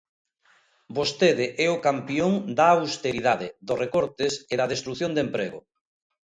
Vostede é o campión da austeridade, dos recortes e da destrución de emprego.